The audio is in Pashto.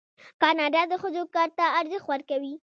کاناډا د ښځو کار ته ارزښت ورکوي.